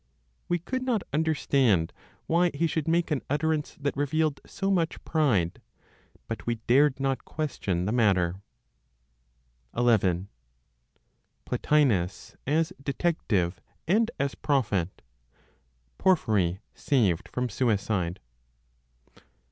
We could not understand why he should make an utterance that revealed so much pride, but we dared not question the matter. XI. PLOTINOS AS DETECTIVE AND AS PROPHET; PORPHYRY SAVED FROM SUICIDE.